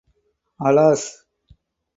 Alas!